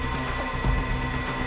kami ke rumah mau pergi ke rumah